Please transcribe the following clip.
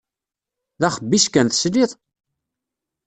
D axebbic kan, tesliḍ?